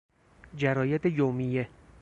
جراید یومیه